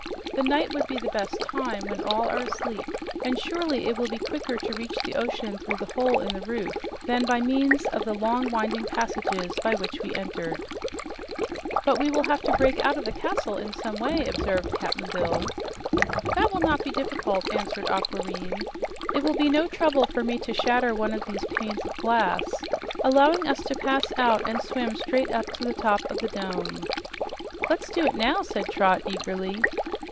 The night would be the best time, when all are asleep, and surely it will be quicker to reach the ocean through this hole in the roof than by means of the long, winding passages by which we entered." "But we will have to break out of the castle in some way," observed Cap'n Bill. "That will not be difficult," answered Aquareine. "It will be no trouble for me to shatter one of these panes of glass, allowing us to pass out and swim straight up to the top of the dome." "Let's do it now!" said Trot eagerly.